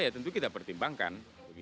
ya tentu kita pertimbangkan